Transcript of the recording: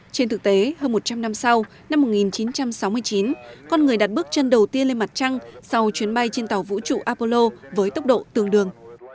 trên thực tế hơn một trăm linh năm sau năm một nghìn chín trăm sáu mươi chín con người đặt bước chân đầu tiên lên mặt trăng sau chuyến bay trên tàu vũ trụ apollo với tốc độ tương đương